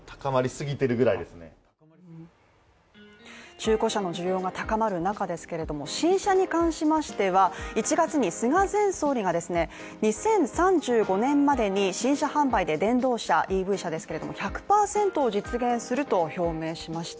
中古車の需要が高まる中ですけれども新車に関しましては、１月に菅前総理がですね、２０３５年までに新車販売で電動車、ＥＶ車ですけれども１００％を実現すると表明しました。